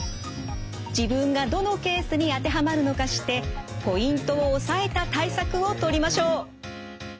自分がどのケースに当てはまるのか知ってポイントを押さえた対策をとりましょう。